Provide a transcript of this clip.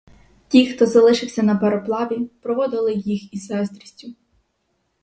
Ті, хто залишився на пароплаві, проводили їх із заздрістю.